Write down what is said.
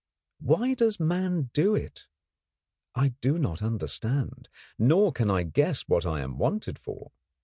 Why does man do it? I do not understand; nor can I guess what I am wanted for.